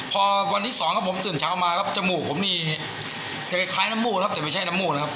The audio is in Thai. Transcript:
พอวันที่สองครับผมตื่นเช้ามาครับจมูกผมนี่จะคล้ายน้ำมูกครับแต่ไม่ใช่น้ำมูกนะครับ